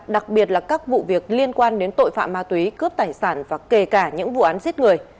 đặc biệt là các vụ việc liên quan đến tội phạm ma túy cướp tài sản và kể cả những vụ án giết người